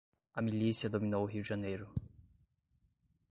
A milícia dominou o Rio de Janeiro